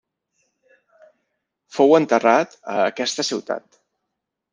Fou enterrat a aquesta ciutat.